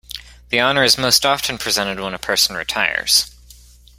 The honor is most often presented when a person retires.